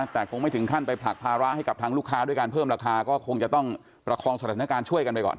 แต่คงไม่ถึงขั้นไปผลักภาระให้กับทางลูกค้าด้วยการเพิ่มราคาก็คงจะต้องประคองสถานการณ์ช่วยกันไปก่อน